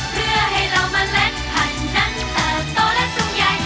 เพื่อให้เรามะเล็กผ่านนั้นเติบโตและสูงใย